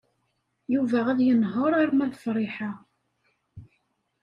Yuba ad yenheṛ arma d Friḥa.